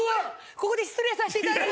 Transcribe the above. ここで失礼させていただいて。